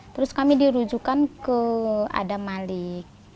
terus kami dirujukan ke adam malik